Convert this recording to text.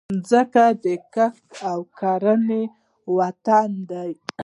مځکه د کښت او کرنې وطن دی.